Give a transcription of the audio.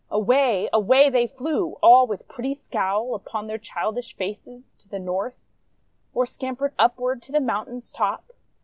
Away! away they flew all with pretty scowl, Upon their childish faces, to the North, Or scampered upward to the mountain's top.